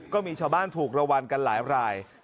ก็มีชาวบ้านถูกระวังกันหลายราย